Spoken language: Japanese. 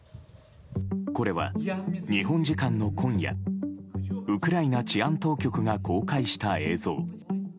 これは、日本時間の今夜ウクライナ治安当局が公開した映像。